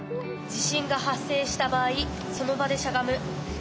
地震が発生した場合その場でしゃがむ。